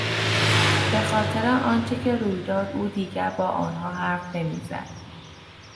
به خاطر آنچه که روی داد او دیگر با آنها حرف نمیزند.